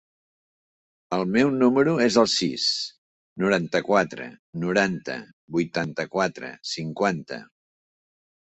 El meu número es el sis, noranta-quatre, noranta, vuitanta-quatre, cinquanta.